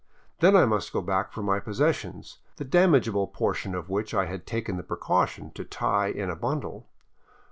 Then I must go back for my possessions, the damageable portion of which I had taken the pre caution to tie in a bundle.